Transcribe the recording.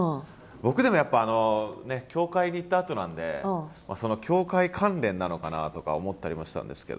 僕でもやっぱあのね教会に行ったあとなんでその教会関連なのかなとか思ったりもしたんですけど。